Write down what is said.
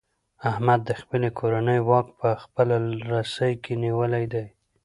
احمد د خپلې کورنۍ واک په خپله رسۍ کې نیولی دی.